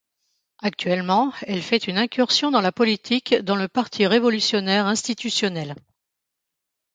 Actuellement, elle fait une incursion dans la politique dans le Parti révolutionnaire institutionnel.